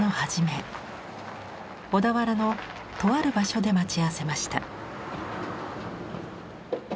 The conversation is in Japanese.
小田原のとある場所で待ち合わせました。